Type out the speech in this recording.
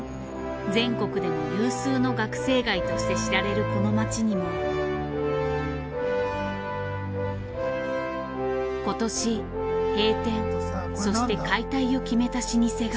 全国でも有数の学生街として知られるこの街にも今年閉店そして解体を決めた老舗が。